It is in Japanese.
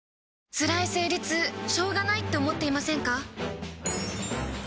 つらい生理痛しょうがないって思っていませんか？